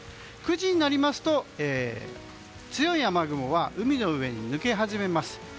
９時になりますと強い雨雲は海の上に抜け始めます。